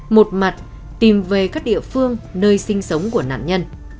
một mặt tìm về các địa phương nơi sinh sống của nạn nhân